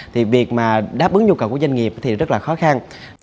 thì việc mà đáp ứng nhu cầu của doanh nghiệp thì rất là khó khăn